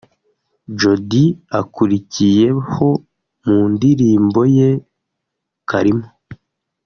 Jody akurikiyeho mu ndirimbo ye ’Karimo’